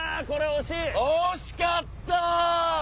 惜しかった！